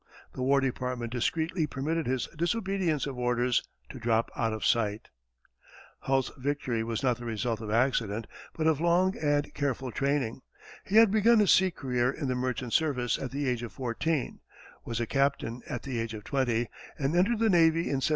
The War Department discreetly permitted his disobedience of orders to drop out of sight. Hull's victory was not the result of accident, but of long and careful training. He had begun his sea career in the merchant service at the age of fourteen, was a captain at the age of twenty, and entered the navy in 1798.